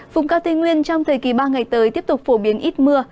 vùng cao tây nguyên trong thời kỳ ba ngày tới tiếp tục phổ biến ít mưa